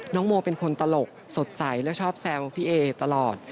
โมเป็นคนตลกสดใสและชอบแซวพี่เอตลอด